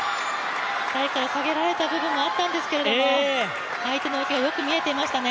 台から下げられた部分もあったんですけど相手の動きがよく見えていましたね。